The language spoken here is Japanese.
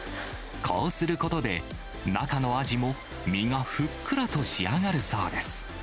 こうすることで、中のアジも身がふっくらと仕上がるそうです。